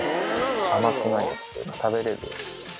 甘くないやつというか、食べれるやつ。